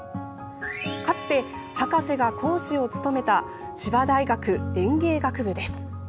かつて、博士が講師を務めた千葉大学園芸学部です。